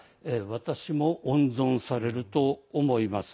私も温存されると思います。